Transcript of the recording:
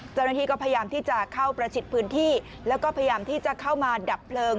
เจ้าหน้าที่ก็พยายามที่จะเข้าประชิดพื้นที่แล้วก็พยายามที่จะเข้ามาดับเพลิง